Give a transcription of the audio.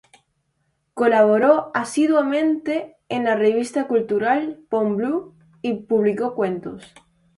Colaboró asiduamente en la revista cultural "Pont Blau" y publicó cuentos.